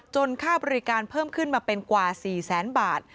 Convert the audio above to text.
ค่าบริการเพิ่มขึ้นมาเป็นกว่า๔แสนบาท